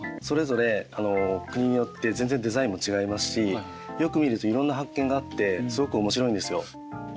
それぞれ国によって全然デザインも違いますしよく見るといろんな発見があってすごく面白いんですよ。